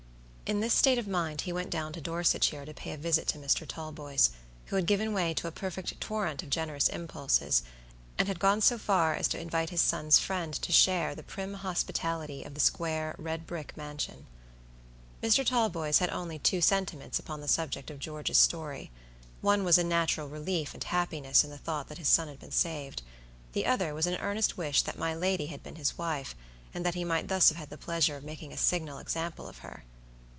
In this state of mind he went down to Dorsetshire to pay a visit to Mr. Talboys, who had given way to a perfect torrent of generous impulses, and had gone so far as to invite his son's friend to share the prim hospitality of the square, red brick mansion. Mr. Talboys had only two sentiments upon the subject of George's story; one was a natural relief and happiness in the thought that his son had been saved, the other was an earnest wish that my lady had been his wife, and that he might thus have had the pleasure of making a signal example of her.